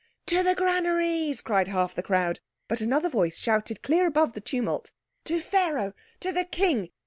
"To the granaries!" cried half the crowd; but another voice shouted clear above the tumult, "To Pharaoh! To the King!